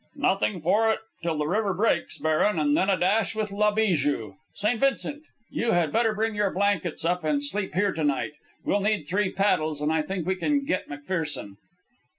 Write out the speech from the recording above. "Nothing for it till the river breaks, baron, and then a dash with La Bijou. St. Vincent, you had better bring your blankets up and sleep here to night. We'll need three paddles, and I think we can get McPherson."